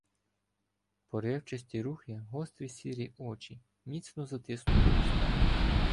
Поривчасті рухи, гострі сірі очі, міцно затиснуті уста.